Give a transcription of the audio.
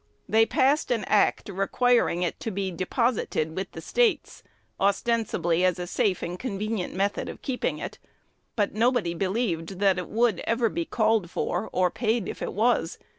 They passed an Act requiring it to be deposited with the States, ostensibly as a safe and convenient method of keeping it; but nobody believed that it would ever be called for, or paid if it was.